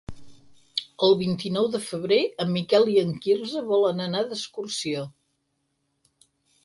El vint-i-nou de febrer en Miquel i en Quirze volen anar d'excursió.